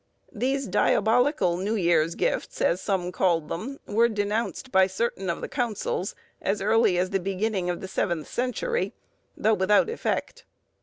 These "diabolical New Year's Gifts," as some called them, were denounced by certain of the councils, as early as the beginning of the seventh century, though without effect.